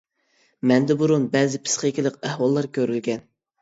مەندە بۇرۇن بەزى پىسخىكىلىق ئەھۋاللار كۆرۈلگەن.